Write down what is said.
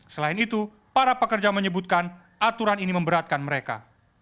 selain itu para pekerja menyebutkan aturan ini memberatkan mereka